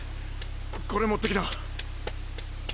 これ持ってきな！